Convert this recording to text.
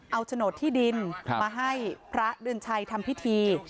เอาโฉนดที่ดินมาให้พระเดือนชัยทำพิธี